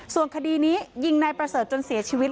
ส่วนคดีนี้ยิงนายประเสริฐจนเสียชีวิต